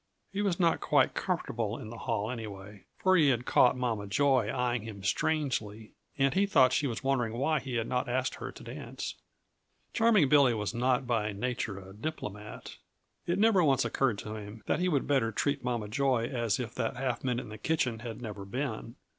He was not quite comfortable in the hall, anyway, for he had caught Mama Joy eying him strangely, and he thought she was wondering why he had not asked her to dance. Charming Billy was not by nature a diplomat; it never once occurred to him that he would better treat Mama Joy as if that half minute in the kitchen had never been.